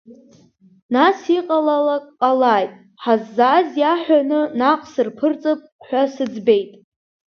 Нас иҟалалак ҟалааит, ҳаззааз иаҳәаны наҟ сырԥырҵып, ҳәа сыӡбеит.